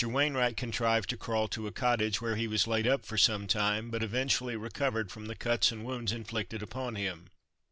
Wainwright contrived to crawl to a cottage, where he was laid up for some time, but eventually recovered from the cuts and wounds inflicted upon him.